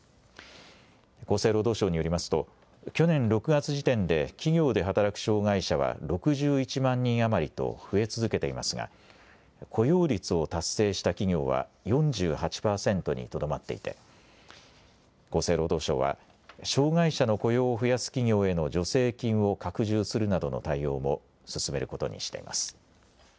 厚生労働省によりますと去年６月時点で企業で働く障害者は６１万人余りと増え続けていますが雇用率を達成した企業は４８％にとどまっていて厚生労働省は障害者の雇用を増やす企業への助成金を拡充するなどの対応も進めることにしています。